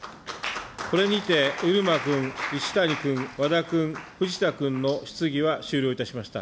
これにて、漆間君、一谷君、和田君、藤田君の質疑は終了いたしました。